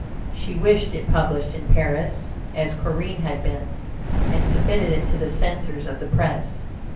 She wished it published in Paris, as Corinne had been, and submitted it to the censors of the Press.